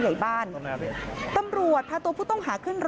โชว์บ้านในพื้นที่เขารู้สึกยังไงกับเรื่องที่เกิดขึ้น